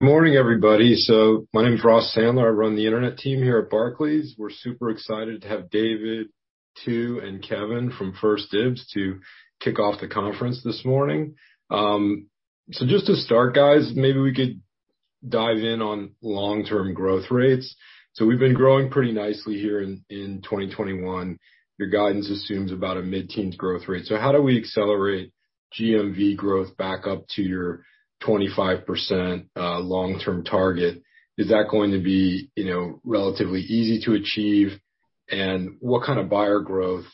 Morning, everybody. My name is Ross Sandler. I run the internet team here at Barclays. We're super excited to have David, Tu, and Kevin from 1stDibs to kick off the conference this morning. Just to start, guys, maybe we could dive in on long-term growth rates. We've been growing pretty nicely here in 2021. Your guidance assumes about a mid-teen growth rate. How do we accelerate GMV growth back up to your 25% long-term target? Is that going to be relatively easy to achieve and what kind of buyer growth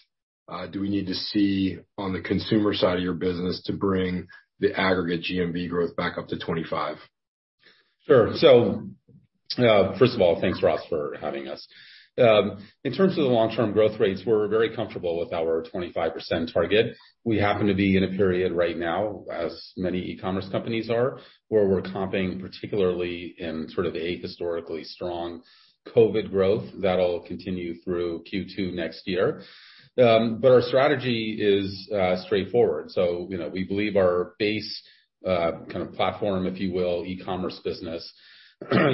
do we need to see on the consumer side of your business to bring the aggregate GMV growth back up to 25%? Sure. First of all, thanks Ross for having us. In terms of the long-term growth rates, we're very comfortable with our 25% target. We happen to be in a period right now, as many e-commerce companies are, where we're comping particularly in sort of a historically strong COVID growth that'll continue through Q2 next year. Our strategy is straightforward. You know, we believe our base kind of platform, if you will, e-commerce business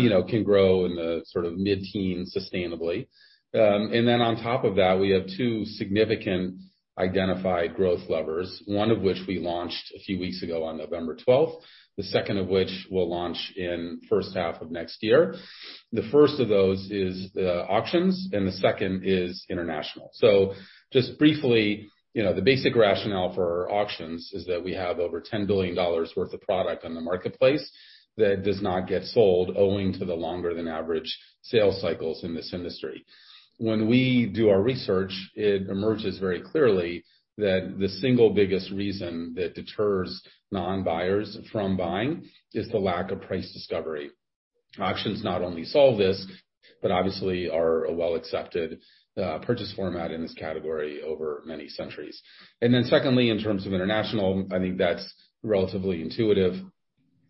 you know can grow in the sort of mid-teen sustainably. On top of that, we have two significant identified growth levers, one of which we launched a few weeks ago on November twelfth, the second of which we'll launch in first half of next year. The first of those is auctions and the second is international. Just briefly, you know, the basic rationale for auctions is that we have over $10 billion worth of product on the marketplace that does not get sold owing to the longer than average sales cycles in this industry. When we do our research, it emerges very clearly that the single biggest reason that deters non-buyers from buying is the lack of price discovery. Auctions not only solve this, but obviously are a well-accepted purchase format in this category over many centuries. Then secondly, in terms of international, I think that's relatively intuitive.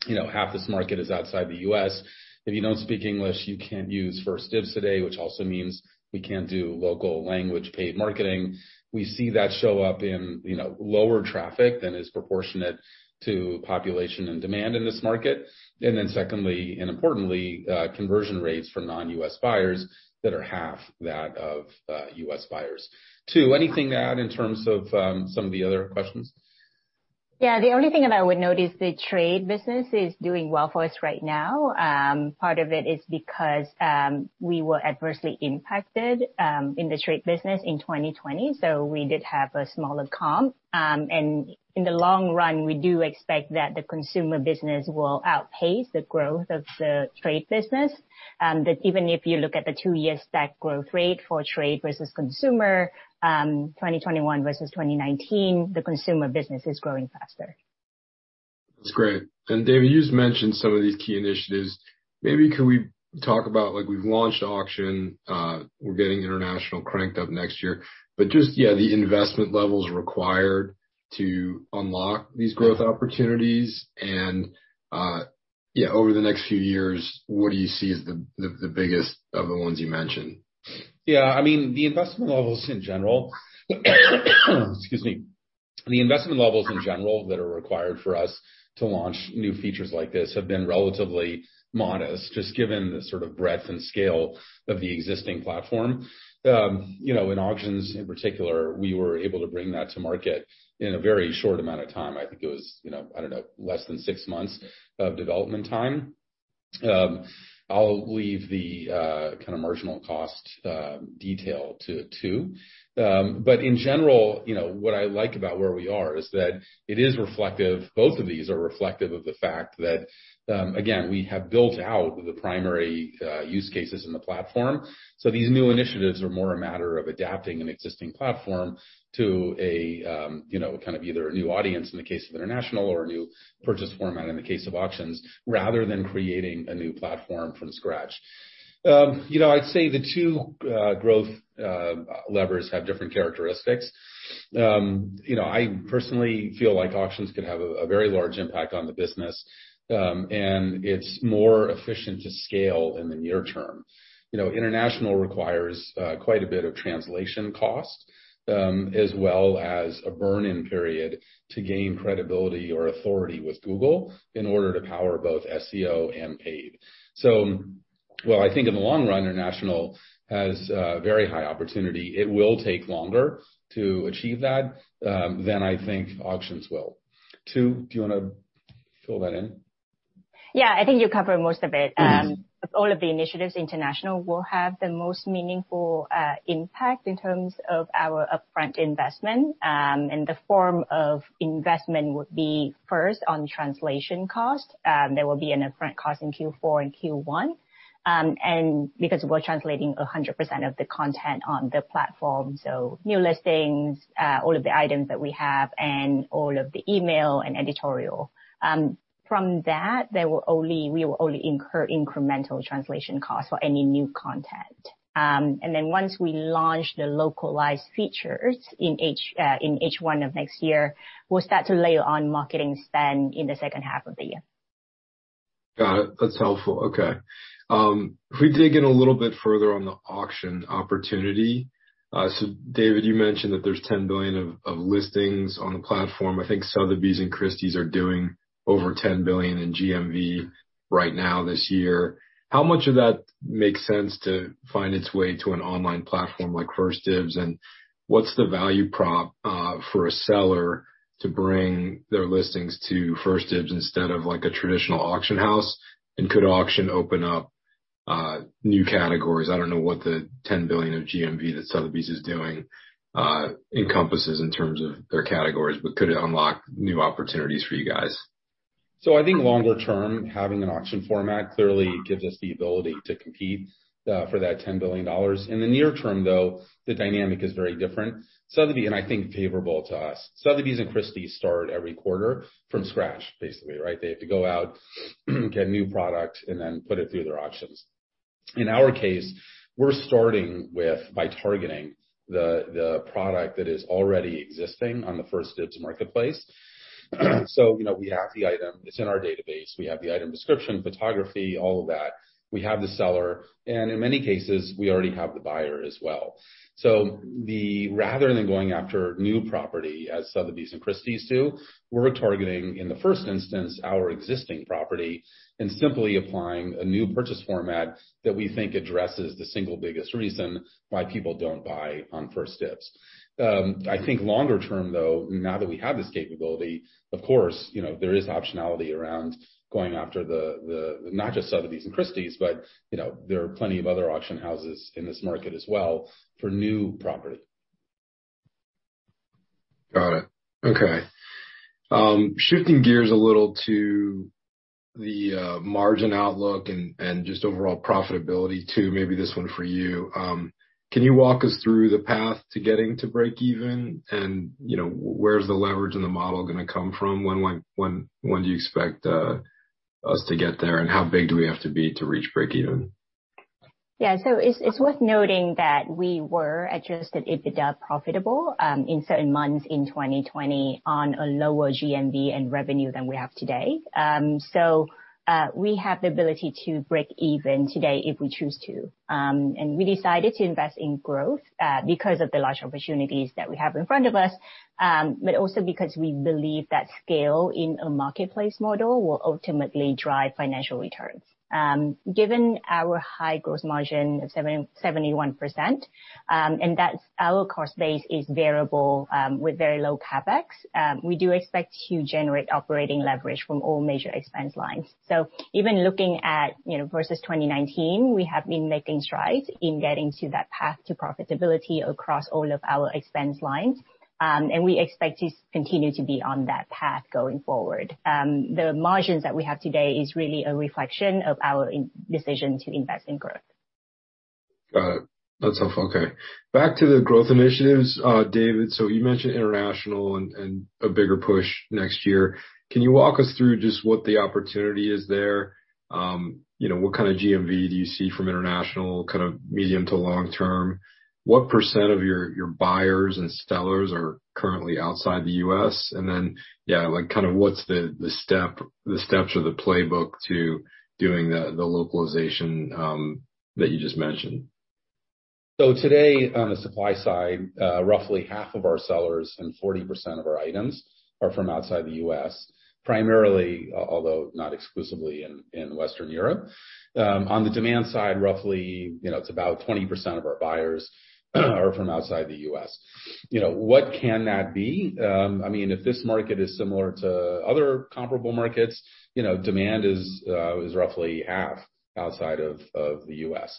You know, half this market is outside the U.S. If you don't speak English, you can't use 1stDibs today, which also means we can't do local language paid marketing. We see that show up in, you know, lower traffic than is proportionate to population and demand in this market. Secondly and importantly, conversion rates for non-U.S. buyers that are half that of U.S. buyers. Tu, anything to add in terms of some of the other questions? Yeah. The only thing that I would note is the trade business is doing well for us right now. Part of it is because we were adversely impacted in the trade business in 2020, so we did have a smaller comp. In the long run, we do expect that the consumer business will outpace the growth of the trade business, that even if you look at the two-year stack growth rate for trade versus consumer, 2021 versus 2019, the consumer business is growing faster. That's great. David, you just mentioned some of these key initiatives. Maybe could we talk about like we've launched auction, we're getting international cranked up next year, but just, yeah, the investment levels required to unlock these growth opportunities and, yeah, over the next few years, what do you see as the biggest of the ones you mentioned? Yeah. I mean, the investment levels in general that are required for us to launch new features like this have been relatively modest, just given the sort of breadth and scale of the existing platform. You know, in auctions in particular, we were able to bring that to market in a very short amount of time. I think it was, you know, I don't know, less than six months of development time. I'll leave the kind of marginal cost detail to Tu. But in general, you know, what I like about where we are is that it is reflective, both of these are reflective of the fact that, again, we have built out the primary use cases in the platform. These new initiatives are more a matter of adapting an existing platform to a, you know, kind of either a new audience in the case of international or a new purchase format in the case of auctions, rather than creating a new platform from scratch. You know, I'd say the two growth levers have different characteristics. You know, I personally feel like auctions could have a very large impact on the business, and it's more efficient to scale in the near term. You know, international requires quite a bit of translation cost, as well as a burn-in period to gain credibility or authority with Google in order to power both SEO and paid. While I think in the long run, international has a very high opportunity, it will take longer to achieve that, than I think auctions will. Tu, do you wanna fill that in? Yeah. I think you covered most of it. Of all of the initiatives, international will have the most meaningful impact in terms of our upfront investment, and the form of investment would be first on translation cost. There will be an upfront cost in Q4 and Q1, and because we're translating 100% of the content on the platform, so new listings, all of the items that we have, and all of the email and editorial. From that, we will only incur incremental translation costs for any new content. And then once we launch the localized features in H1 of next year, we'll start to layer on marketing spend in the second half of the year. Got it. That's helpful. Okay. If we dig in a little bit further on the auction opportunity, so David, you mentioned that there's 10 billion of listings on the platform. I think Sotheby's and Christie's are doing over $10 billion in GMV right now this year. How much of that makes sense to find its way to an online platform like 1stDibs And what's the value prop for a seller to bring their listings to 1stDibs instead of like a traditional auction house? And could auction open up new categories? I don't know what the $10 billion of GMV that Sotheby's is doing encompasses in terms of their categories, but could it unlock new opportunities for you guys? I think longer term, having an auction format clearly gives us the ability to compete for that $10 billion. In the near term, though, the dynamic is very different. Sotheby's. I think favorable to us. Sotheby's and Christie's start every quarter from scratch, basically, right? They have to go out, get new product, and then put it through their auctions. In our case, we're starting with by targeting the product that is already existing on the 1stdibs. marketplace. You know, we have the item, it's in our database. We have the item description, photography, all of that. We have the seller, and in many cases, we already have the buyer as well. Rather than going after new property as Sotheby's and Christie's do, we're targeting, in the first instance, our existing property and simply applying a new purchase format that we think addresses the single biggest reason why people don't buy on 1stdibs. I think longer term, though, now that we have this capability, of course, you know, there is optionality around going after not just Sotheby's and Christie's, but, you know, there are plenty of other auction houses in this market as well for new property. Got it. Okay. Shifting gears a little to the margin outlook and just overall profitability too, maybe this one for you. Can you walk us through the path to getting to break even? You know, where's the leverage in the model gonna come from? When do you expect us to get there, and how big do we have to be to reach break even? Yeah. It's worth noting that we were Adjusted EBITDA profitable in certain months in 2020 on a lower GMV and revenue than we have today. We have the ability to break even today if we choose to. We decided to invest in growth because of the large opportunities that we have in front of us, but also because we believe that scale in a marketplace model will ultimately drive financial returns. Given our high gross margin of 71%, and that's our cost base is variable with very low CapEx, we do expect to generate operating leverage from all major expense lines. Even looking at, you know, versus 2019, we have been making strides in getting to that path to profitability across all of our expense lines. We expect to continue to be on that path going forward. The margins that we have today is really a reflection of our decision to invest in growth. Got it. That's helpful. Okay. Back to the growth initiatives, David, so you mentioned international and a bigger push next year. Can you walk us through just what the opportunity is there? You know, what kind of GMV do you see from international kind of medium to long term? What % of your buyers and sellers are currently outside the U.S.? And then, yeah, like kind of what's the steps or the playbook to doing the localization that you just mentioned? Today, on the supply side, roughly half of our sellers and 40% of our items are from outside the U.S., primarily, although not exclusively in Western Europe. On the demand side, roughly, you know, it's about 20% of our buyers are from outside the U.S. You know, what can that be? I mean, if this market is similar to other comparable markets, you know, demand is roughly half outside of the U.S.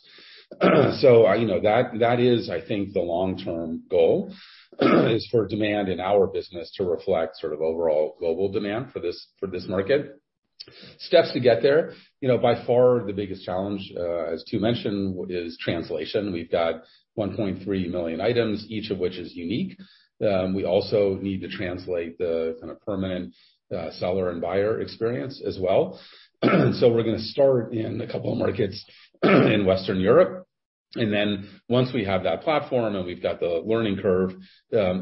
You know, that is, I think, the long-term goal, is for demand in our business to reflect sort of overall global demand for this market. Steps to get there. You know, by far the biggest challenge, as Tu mentioned, is translation. We've got 1.3 million items, each of which is unique. We also need to translate the kind of permanent seller and buyer experience as well. We're gonna start in a couple of markets in Western Europe, and then once we have that platform and we've got the learning curve,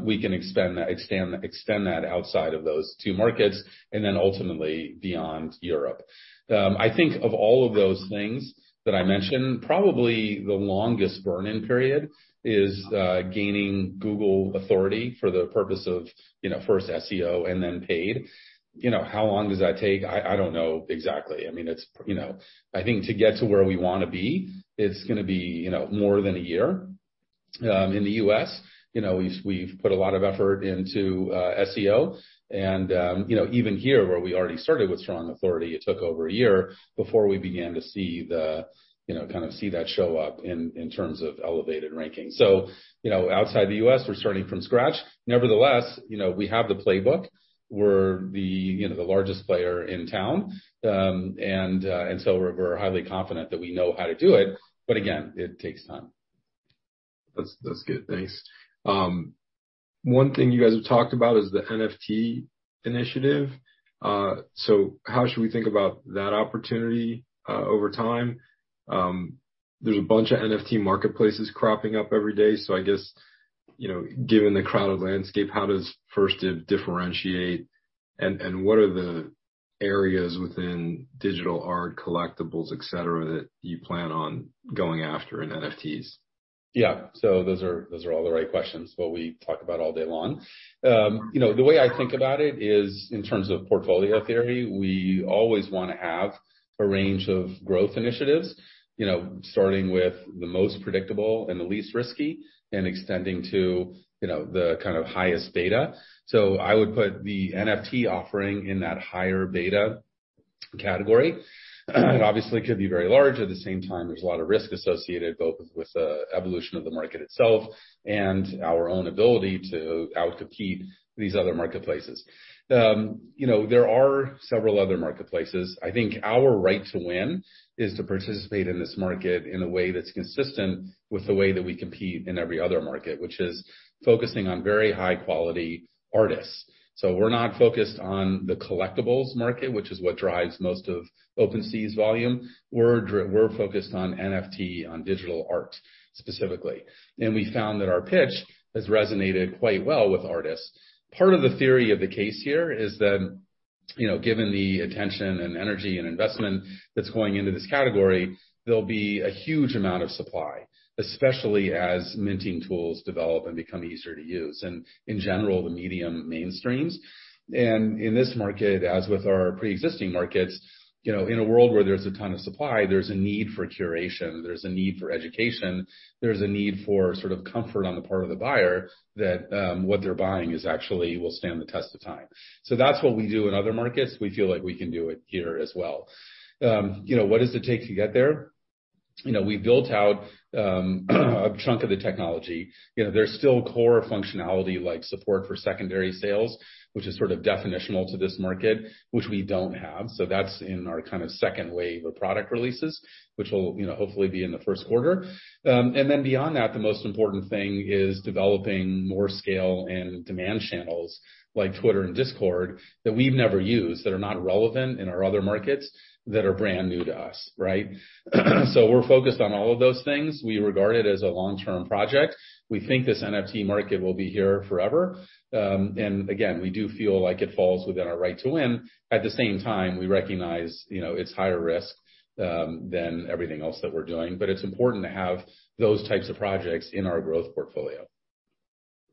we can extend that outside of those two markets and then ultimately beyond Europe. I think of all of those things that I mentioned, probably the longest burn-in period is gaining Google authority for the purpose of, you know, first SEO and then paid. You know, how long does that take? I don't know exactly. I mean, it's, you know. I think to get to where we wanna be, it's gonna be, you know, more than a year. In the U.S., you know, we've put a lot of effort into SEO and, you know, even here where we already started with strong authority, it took over a year before we began to see the, you know, kind of that show up in terms of elevated ranking. Outside the U.S., we're starting from scratch. Nevertheless, you know, we have the playbook. We're the, you know, the largest player in town. We're highly confident that we know how to do it, but again, it takes time. That's good. Thanks. One thing you guys have talked about is the NFT initiative. How should we think about that opportunity over time? There's a bunch of NFT marketplaces cropping up every day, so I guess, you know, given the crowded landscape, how does 1stdibs differentiate, and what are the areas within digital art collectibles, et cetera, that you plan on going after in NFTs? Yeah. Those are all the right questions, what we talk about all day long. You know, the way I think about it is in terms of portfolio theory, we always wanna have a range of growth initiatives, you know, starting with the most predictable and the least risky, and extending to, you know, the kind of highest beta. I would put the NFT offering in that higher beta category. It obviously could be very large. At the same time, there's a lot of risk associated both with the evolution of the market itself and our own ability to out-compete these other marketplaces. You know, there are several other marketplaces. I think our right to win is to participate in this market in a way that's consistent with the way that we compete in every other market, which is focusing on very high quality artists. We're not focused on the collectibles market, which is what drives most of OpenSea's volume. We're focused on NFT, on digital art specifically. We found that our pitch has resonated quite well with artists. Part of the theory of the case here is that, you know, given the attention and energy and investment that's going into this category, there'll be a huge amount of supply, especially as minting tools develop and become easier to use, and in general, the medium mainstreams. In this market, as with our preexisting markets, you know, in a world where there's a ton of supply, there's a need for curation, there's a need for education, there's a need for sort of comfort on the part of the buyer that what they're buying is actually will stand the test of time. That's what we do in other markets. We feel like we can do it here as well. You know, what does it take to get there? You know, we built out a chunk of the technology. You know, there's still core functionality like support for secondary sales, which is sort of definitional to this market, which we don't have. That's in our kinda second wave of product releases, which will, you know, hopefully be in the first quarter. Then beyond that, the most important thing is developing more scale and demand channels like Twitter and Discord that we've never used, that are not relevant in our other markets, that are brand new to us, right? We're focused on all of those things. We regard it as a long-term project. We think this NFT market will be here forever. Again, we do feel like it falls within our right to win. At the same time, we recognize, you know, it's higher risk than everything else that we're doing. It's important to have those types of projects in our growth portfolio.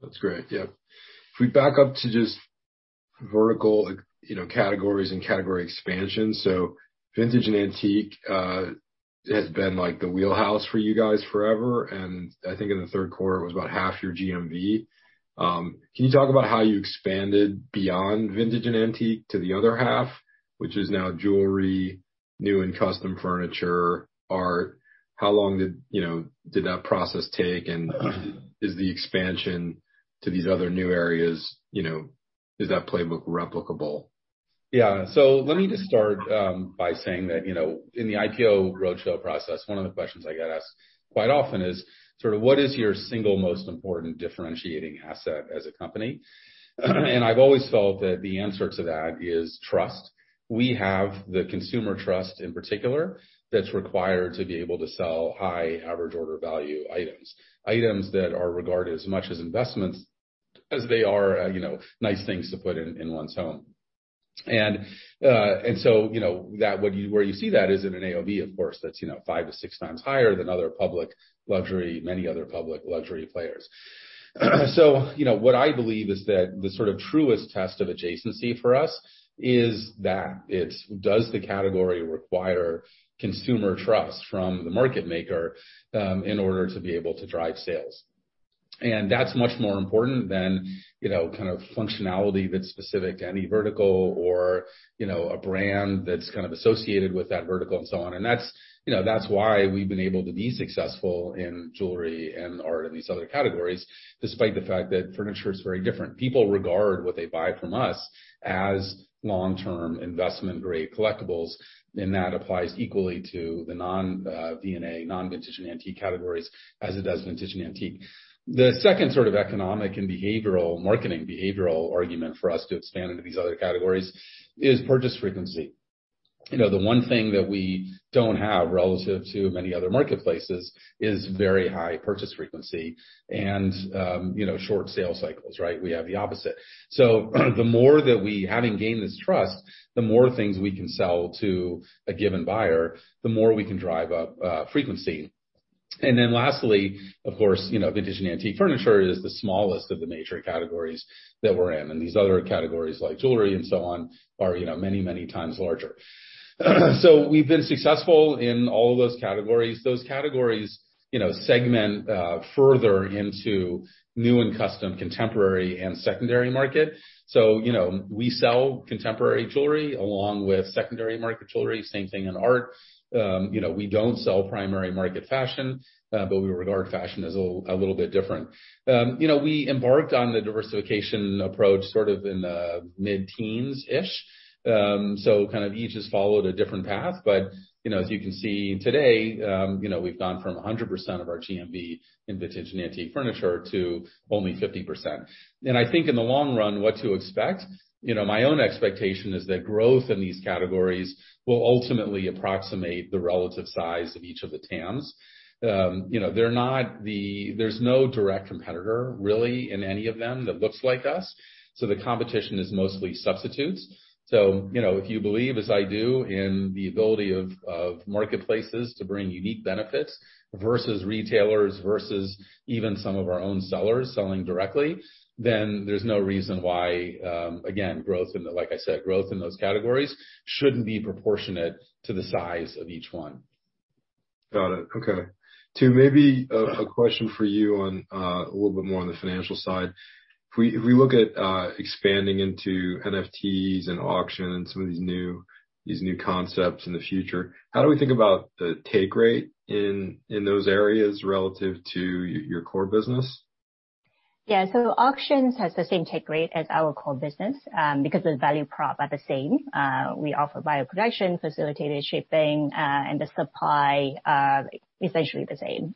That's great. Yeah. If we back up to just vertical, you know, categories and category expansion, so vintage and antique has been like the wheelhouse for you guys forever, and I think in the third quarter it was about half your GMV. Can you talk about how you expanded beyond vintage and antique to the other half, which is now jewelry, new and custom furniture, art? How long did, you know, that process take, and is the expansion to these other new areas, you know, is that playbook replicable? Yeah. Let me just start by saying that, you know, in the IPO roadshow process, one of the questions I get asked quite often is sort of what is your single most important differentiating asset as a company? And I've always felt that the answer to that is trust. We have the consumer trust in particular that's required to be able to sell high average order value items that are regarded as much as investments as they are, you know, nice things to put in one's home. And where you see that is in an AOV, of course, that's, you know, five-six times higher than other public luxury, many other public luxury players. You know, what I believe is that the sort of truest test of adjacency for us is that it does the category require consumer trust from the market maker in order to be able to drive sales? That's much more important than, you know, kind of functionality that's specific to any vertical or, you know, a brand that's kind of associated with that vertical and so on. That's, you know, that's why we've been able to be successful in jewelry and art and these other categories, despite the fact that furniture is very different. People regard what they buy from us as long-term investment-grade collectibles, and that applies equally to the non, V&A, non-vintage and antique categories, as it does vintage and antique. The second sort of economic and behavioral, marketing behavioral argument for us to expand into these other categories is purchase frequency. You know, the one thing that we don't have relative to many other marketplaces is very high purchase frequency and, you know, short sales cycles, right? We have the opposite. The more that we have gained this trust, the more things we can sell to a given buyer, the more we can drive up frequency. Lastly, of course, you know, vintage and antique furniture is the smallest of the major categories that we're in, and these other categories like jewelry and so on are, you know, many, many times larger. We've been successful in all of those categories. Those categories, you know, segment further into new and custom, contemporary and secondary market. You know, we sell contemporary jewelry along with secondary market jewelry, same thing in art. You know, we don't sell primary market fashion, but we regard fashion as a little bit different. You know, we embarked on the diversification approach sort of in the mid-teens-ish. So kind of each has followed a different path. You know, as you can see today, you know, we've gone from 100% of our GMV in vintage and antique furniture to only 50%. I think in the long run, what to expect, you know, my own expectation is that growth in these categories will ultimately approximate the relative size of each of the TAMs. You know, they're not, there's no direct competitor really in any of them that looks like us, so the competition is mostly substitutes. you know, if you believe, as I do, in the ability of marketplaces to bring unique benefits versus retailers, versus even some of our own sellers selling directly, then there's no reason why, again, growth in the, like I said, growth in those categories shouldn't be proportionate to the size of each one. Got it. Okay. Tu, maybe a question for you on a little bit more on the financial side. If we look at expanding into NFTs and auctions, some of these new concepts in the future, how do we think about the take rate in those areas relative to your core business? Yeah. Auctions has the same take rate as our core business, because the value prop are the same. We offer buyer protection, facilitated shipping, and the supply are essentially the same.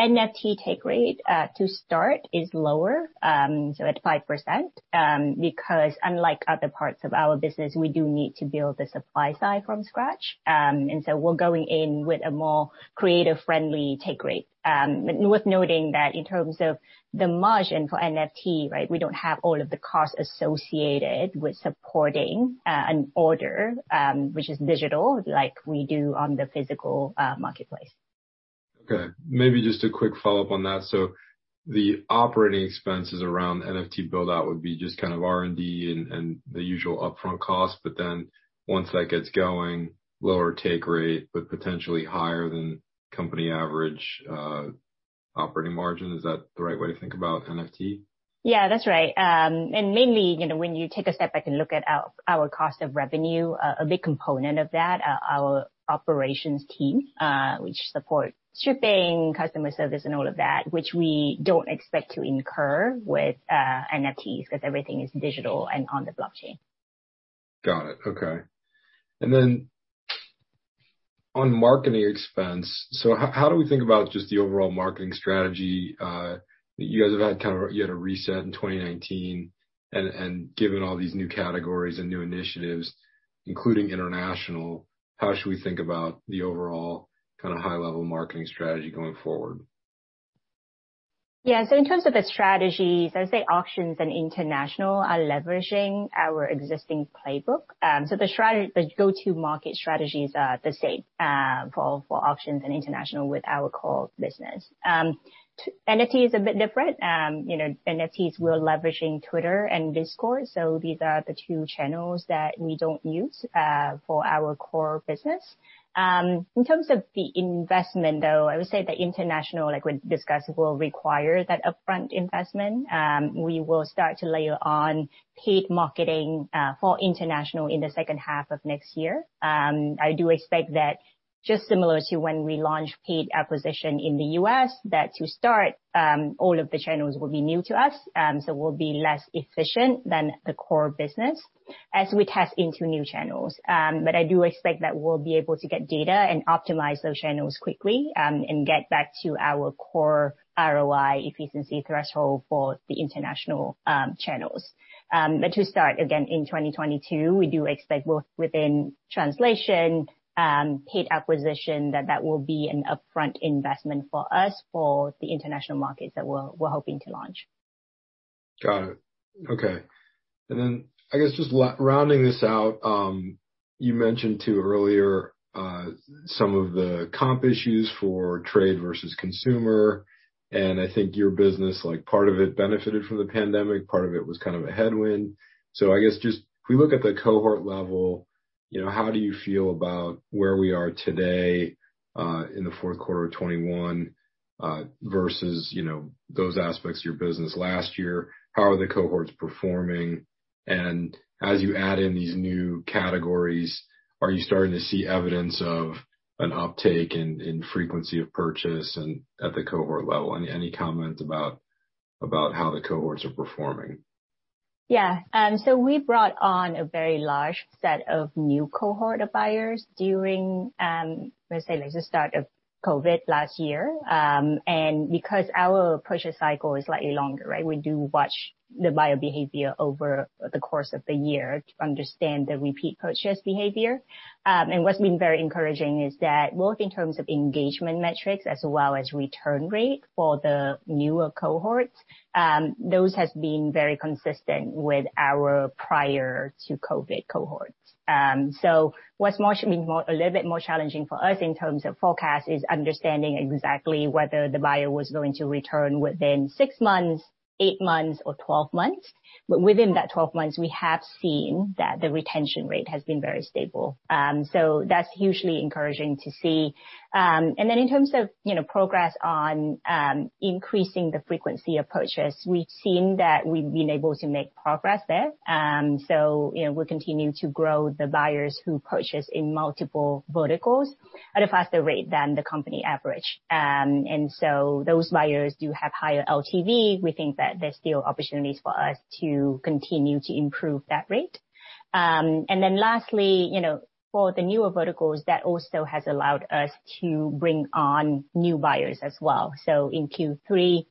NFT take rate to start is lower, so at 5%, because unlike other parts of our business, we do need to build the supply side from scratch. We're going in with a more creator-friendly take rate. Noting that in terms of the margin for NFT, right, we don't have all of the costs associated with supporting an order, which is digital, like we do on the physical marketplace. Okay. Maybe just a quick follow-up on that. The operating expenses around NFT build-out would be just kind of R&D and the usual upfront costs, but then once that gets going, lower take rate, but potentially higher than company average, operating margin. Is that the right way to think about NFT? Yeah, that's right. Mainly, you know, when you take a step back and look at our cost of revenue, a big component of that, our operations team, which support shipping, customer service, and all of that, which we don't expect to incur with NFTs 'cause everything is digital and on the blockchain. Got it. Okay. Then on marketing expense, so how do we think about just the overall marketing strategy? You had a reset in 2019 and given all these new categories and new initiatives, including international, how should we think about the overall kind of high-level marketing strategy going forward? Yeah. In terms of the strategies, I would say auctions and international are leveraging our existing playbook. The go-to-market strategy is the same for auctions and international with our core business. NFT is a bit different. You know, NFTs we're leveraging Twitter and Discord, so these are the two channels that we don't use for our core business. In terms of the investment, though, I would say that international, like we discussed, will require that upfront investment. We will start to layer on paid marketing for international in the second half of next year. I do expect that just similar to when we launched paid acquisition in the U.S., that to start, all of the channels will be new to us, so we'll be less efficient than the core business as we test into new channels. I do expect that we'll be able to get data and optimize those channels quickly, and get back to our core ROI efficiency threshold for the international channels. To start, again, in 2022, we do expect both within translation, paid acquisition, that will be an upfront investment for us for the international markets that we're hoping to launch. Got it. Okay. I guess just rounding this out, you mentioned earlier, some of the comp issues for trade versus consumer, and I think your business, like, part of it benefited from the pandemic, part of it was kind of a headwind. I guess just if we look at the cohort level, you know, how do you feel about where we are today, in the fourth quarter of 2021, versus, you know, those aspects of your business last year? How are the cohorts performing? As you add in these new categories, are you starting to see evidence of an uptake in frequency of purchase and at the cohort level? Any comments about how the cohorts are performing? Yeah. We brought on a very large set of new cohort of buyers during, let's say like the start of COVID last year. Because our purchase cycle is slightly longer, right, we do watch the buyer behavior over the course of the year to understand the repeat purchase behavior. What's been very encouraging is that both in terms of engagement metrics as well as return rate for the newer cohorts, those has been very consistent with our prior to COVID cohorts. What's been a little bit more challenging for us in terms of forecast is understanding exactly whether the buyer was going to return within six months, eight months, or 12 months. Within that 12 months, we have seen that the retention rate has been very stable. That's hugely encouraging to see. In terms of, you know, progress on increasing the frequency of purchase, we've seen that we've been able to make progress there. You know, we're continuing to grow the buyers who purchase in multiple verticals at a faster rate than the company average. Those buyers do have higher LTV. We think that there's still opportunities for us to continue to improve that rate. Lastly, you know, for the newer verticals, that also has allowed us to bring on new buyers as well. In Q3,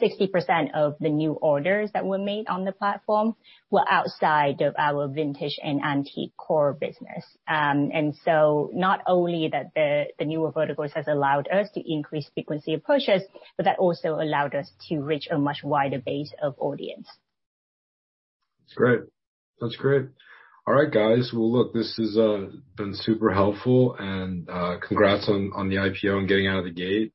60% of the new orders that were made on the platform were outside of our vintage and antique core business. Not only that the newer verticals has allowed us to increase frequency of purchase, but that also allowed us to reach a much wider base of audience. That's great. All right, guys. Well, look, this has been super helpful and congrats on the IPO and getting out of the gate.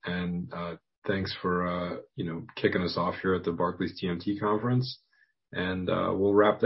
Thanks for you know, kicking us off here at the Barclays TMT Conference. We'll wrap-